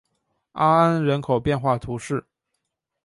阿安人口变化图示